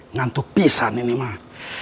ngantuk pisah nih nih mah